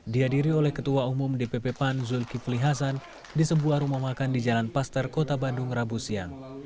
dihadiri oleh ketua umum dpp pan zulkifli hasan di sebuah rumah makan di jalan paster kota bandung rabu siang